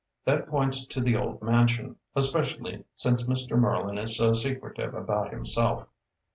That points to the old mansion, especially since Mr. Merlin is so secretive about himself.